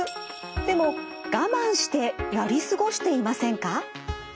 でも我慢してやり過ごしていませんか？